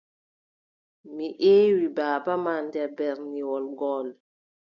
Mi eewi baaba ma nder berniwol ngool.